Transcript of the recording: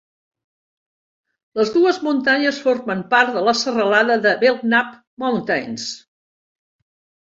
Les dues muntanyes formen part de la serralada de Belknap Mountains.